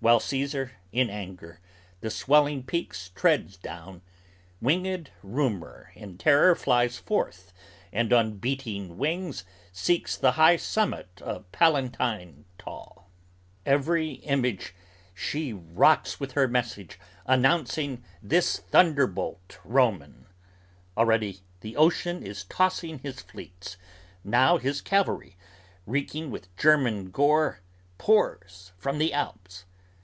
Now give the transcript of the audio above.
While Caesar in anger the swelling peaks treads down, winged rumor In terror flies forth and on beating wings seeks the high summit Of Palatine tall: every image she rocks with her message Announcing this thunderbolt Roman! Already, the ocean Is tossing his fleets! Now his cavalry, reeking with German Gore, pours from the Alps!